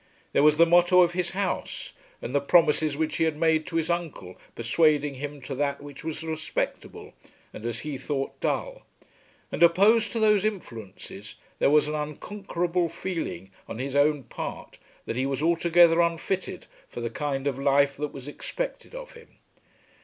There was the motto of his house, and the promises which he had made to his uncle persuading him to that which was respectable and as he thought dull; and opposed to those influences there was an unconquerable feeling on his own part that he was altogether unfitted for the kind of life that was expected of him.